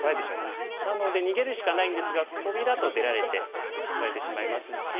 なので逃げるしかないんですがトビだと出られて取られてしまいますし。